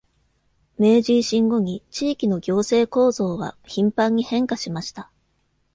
明治維新後に、地域の行政構造は頻繁に変化しました。